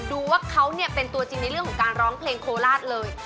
ดูว่าเขาเนี่ยเป็นตัวจริงในเรื่องของการร้องเพลงโคราชเลย